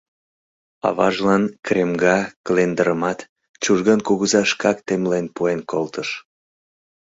Аважлан кремга клендырымат Чужган кугыза шкак темлен пуэн колтыш.